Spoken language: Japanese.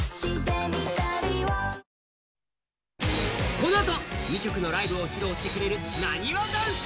このあとは２曲のライブを披露してくれるなにわ男子。